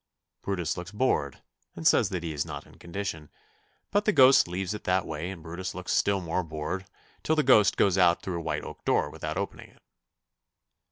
Brutus looks bored and says that he is not in condition, but the ghost leaves it that way and Brutus looks still more bored till the ghost goes out through a white oak door without opening it.